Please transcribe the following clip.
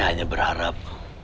saya hanya berharap